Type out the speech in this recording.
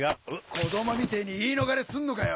子供みてぇに言い逃れすんのかよ！